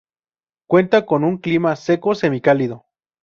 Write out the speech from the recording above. Cuenta con un clima seco semicálido.